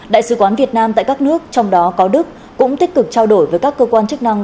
đại sứ quán việt nam tại các nước trong đó có đức cũng tích cực trao đổi với các cơ quan chức năng